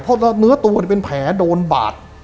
เพราะเนื้อตัวเป็นแผลโดนบาด